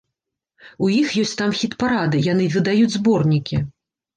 У іх ёсць там хіт-парады, яны выдаюць зборнікі.